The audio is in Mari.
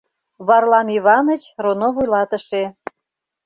Варлам Иваныч, роно вуйлатыше.